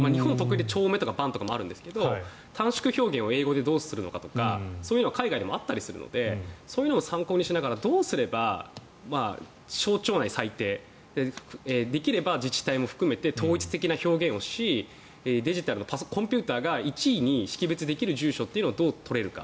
町名とか番地とかもありますが短縮名と英語でどうするのかというのも海外ではあるのでそういうのを参考にしながらどうすれば省庁内、最低できれば自治体も含めて統一的な表現をしデジタルのコンピューターが一意に識別できる住所をどう取れるか。